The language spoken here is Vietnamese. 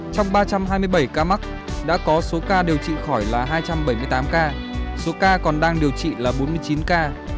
trong ba trăm hai mươi bảy ca mắc đã có số ca điều trị khỏi là hai trăm bảy mươi tám ca số ca còn đang điều trị là bốn mươi chín ca